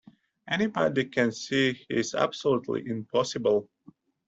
Anybody can see that he's absolutely impossible.